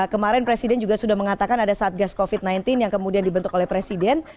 kemarin presiden juga sudah mengatakan ada satgas covid sembilan belas yang kemudian dibentuk oleh presiden